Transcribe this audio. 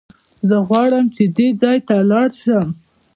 زه غواړم چې دې ځای ته لاړ شم.